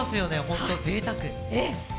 本当、ぜいたく。